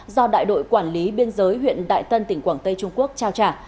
do đại đội quản lý biên giới huyện đại tân tỉnh quảng tây trung quốc trao trả